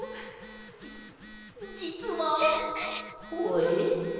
じじつは。ほえ？え？